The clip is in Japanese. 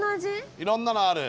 いろんなのある。